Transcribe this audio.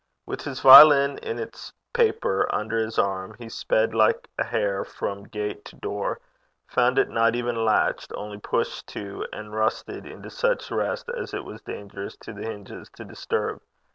With his violin in its paper under his arm, he sped like a hare from gate to door, found it not even latched, only pushed to and rusted into such rest as it was dangerous to the hinges to disturb.